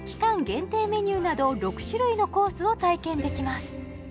限定メニューなど６種類のコースを体験できます